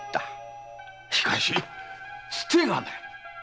しかし伝がない！